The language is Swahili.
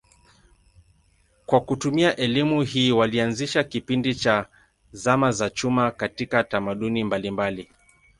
Kwa kutumia elimu hii walianzisha kipindi cha zama za chuma katika tamaduni mbalimbali.